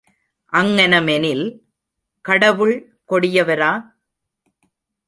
அங்ஙனமெனில், கடவுள் கொடியவரா?